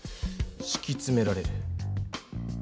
しきつめられる。